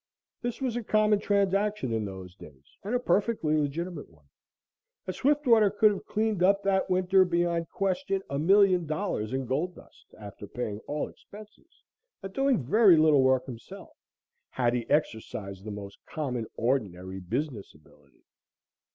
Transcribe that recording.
This was a common transaction in those days and a perfectly legitimate one, and Swiftwater could have cleaned up that winter beyond question $1,000,000 in gold dust, after paying all expenses and doing very little work himself, had he exercised the most common, ordinary business ability.